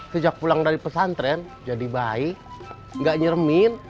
sejak pulang dari pesantren jadi baik gak nyeremin